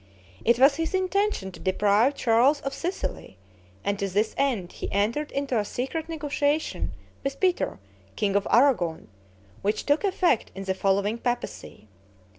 It was his intention to deprive Charles of Sicily, and to this end he entered into a secret negotiation with Peter, king of Aragon, which took effect in the following papacy.